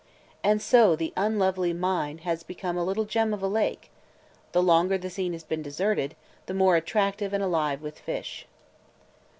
And so the unlovely mine has become a little gem of a lake, – the longer the scene has been deserted, the more attractive and alive with fish.